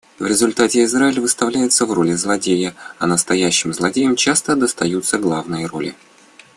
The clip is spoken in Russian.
В результате Израиль выставляется в роли злодея, а настоящим злодеям часто достаются главные роли.